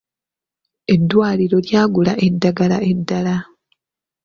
Eddwaliro lyagula eddagala eddala.